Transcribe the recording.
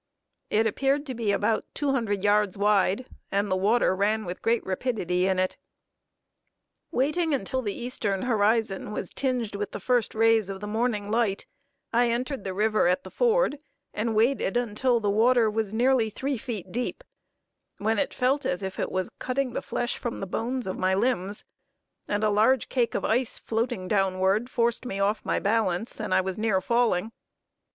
It appeared to be about two hundred yards wide, and the water ran with great rapidity in it. Waiting until the eastern horizon was tinged with the first rays of the morning light, I entered the river at the ford, and waded until the water was nearly three feet deep, when it felt as if it was cutting the flesh from the bones of my limbs, and a large cake of ice floating downward, forced me off my balance, and I was near falling.